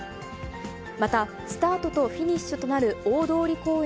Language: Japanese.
またスタートとフィニッシュとなる大通公園